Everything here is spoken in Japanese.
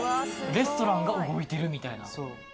レストランが動いてるみたいな。